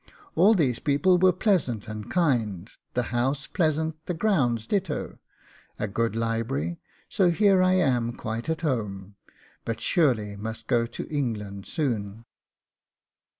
All these people were pleasant and kind, the house pleasant, the grounds ditto, a good library, so here I am quite at home, but surely must go to England soon.